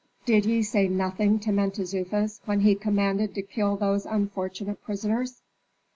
Did ye say nothing to Mentezufis when he commanded to kill those unfortunate prisoners?"